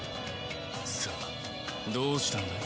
さあどうしたんだい？